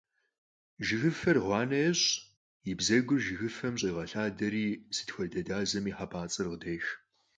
Жыгыфэр гъуанэ ещӀ, и бзэгур жыгыфэм щӀегъэлъадэри сыт хуэдэ дазэми хьэпӀацӀэр къыдех.